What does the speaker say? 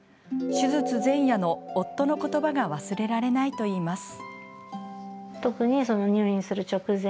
手術前夜の夫の言葉が忘れられないといいます。